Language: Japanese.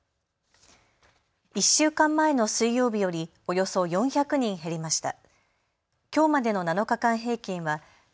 １週間前の水曜日よりおよそ４００人減りました。